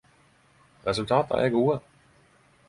Resultata er gode.